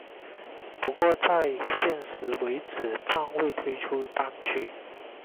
不过在现时为止暂未推出单曲。